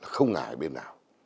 không ngại bên nào